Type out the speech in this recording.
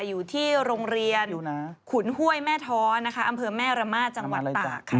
อยู่ที่โรงเรียนขุนห้วยแม่ท้อนะคะอำเภอแม่ระมาทจังหวัดตากค่ะ